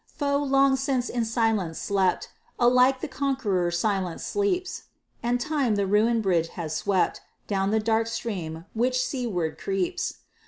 The foe long since in silence slept; Alike the conqueror silent sleeps; And Time the ruined bridge has swept Down the dark stream which seaward creeps.